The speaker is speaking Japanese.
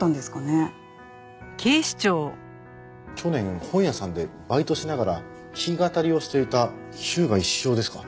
去年本屋さんでバイトしながら弾き語りをしていた日向石雄ですか。